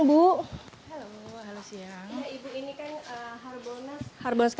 ya ibu ini kan harbolnas